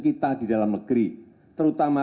kita di dalam negeri terutama